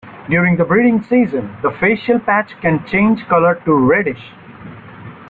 During the breeding season the facial patch can change color to reddish.